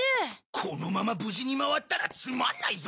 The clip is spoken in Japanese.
このまま無事に回ったらつまんないぞ。